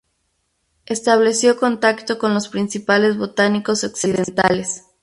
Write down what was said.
Estableció contacto con los principales botánicos occidentales.